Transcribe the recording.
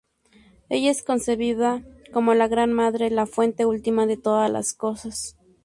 Ella es concebida como la Gran Madre, la fuente última de todas las cosas.